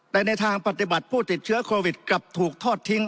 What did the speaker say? แต่ในทางปฏิบัติผู้ติดเชื้อโควิดกลับถูกทอดทิ้ง